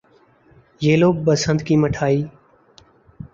یہ لو، بسنت کی مٹھائی۔